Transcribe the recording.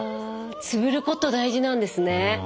つぶること大事なんですね。